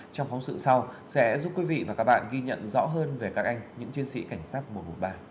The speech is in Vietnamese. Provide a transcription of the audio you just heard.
trong phóng sự sau sẽ giúp quý vị và các bạn ghi nhận rõ hơn về các anh những chiến sĩ cảnh sát một trăm một mươi ba